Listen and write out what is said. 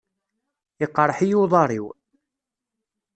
Iqerḥ-iyi uḍar-iw.